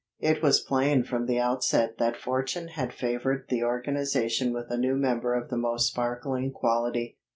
It was plain from the outset that fortune had favoured the organization with a new member of the most sparkling quality.